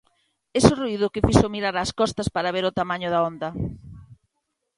Ese ruído que fixo mirar ás costas para ver o tamaño da onda.